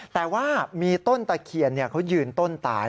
แต่ว่ามีต้นตะเคียนเขายืนต้นตาย